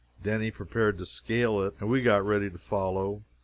Denny prepared to scale it, and we got ready to follow.